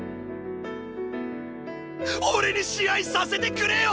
俺に試合させてくれよ！